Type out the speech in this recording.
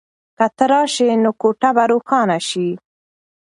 که ته راشې نو کوټه به روښانه شي.